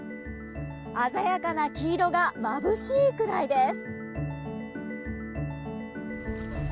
鮮やかな黄色がまぶしいくらいです。